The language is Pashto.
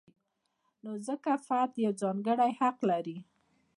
نو ځکه فرد یو ځانګړی حق لري.